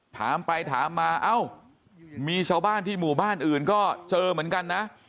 ถามไปถามมาเอ้ามีชาวบ้านที่หมู่บ้านอื่นก็เจอเหมือนกันนะ